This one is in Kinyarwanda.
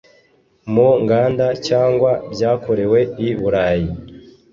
mu nganda cyagwa byakorewe i Burayi